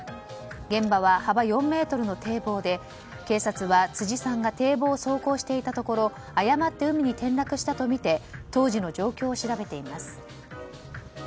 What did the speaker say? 現場は幅４ｍの堤防で警察は、辻さんが堤防を走行していたところ誤って海に転落したとみて当時の状況を調べています。